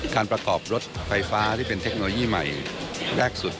การประกอบรถไฟฟ้าที่เป็นเทคโนโลยีใหม่แรกสุด